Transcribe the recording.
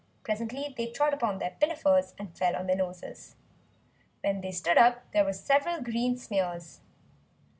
Presently they trod upon their pinafores and fell on their noses. When they stood up there were several green smears!